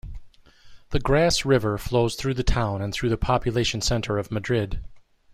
The Grasse River flows through the town and through the population center of Madrid.